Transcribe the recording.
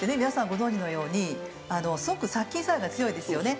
ご存じのようにすごく殺菌作用が強いですよね。